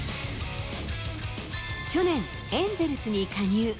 去年エンゼルスに加入。